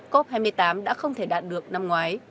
cop hai mươi tám đã không thể đạt được năm ngoái